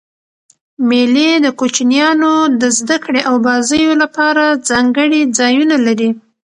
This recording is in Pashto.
مېلې د کوچنيانو د زدهکړي او بازيو له پاره ځانګړي ځایونه لري.